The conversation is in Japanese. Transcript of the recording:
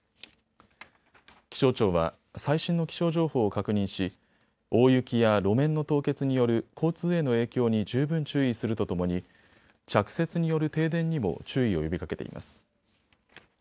気象庁は最新の気象情報を確認し大雪や路面の凍結による交通への影響に十分注意するとともに着雪による停電にも注意を呼びかけています。